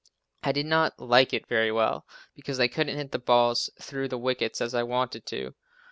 I did not like it very well, because I couldn't hit the balls through the wickets as I wanted to.